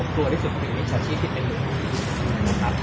กลัวที่สุดมากอยู่ไว้ในชาวชีพเองด้วยนะครับ